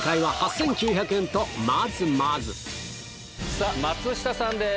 さぁ松下さんです。